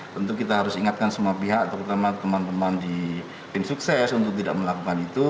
tentu kita harus ingatkan semua pihak terutama teman teman di tim sukses untuk tidak melakukan itu